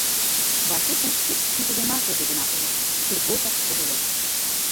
Васюшын ик ситыдымашыже гына уло: тӱргочак вожылеш.